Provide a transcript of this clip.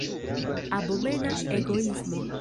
Abomena egoismo!